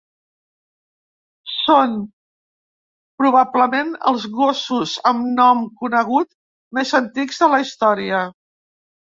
Són probablement els gossos amb nom conegut més antics de la història.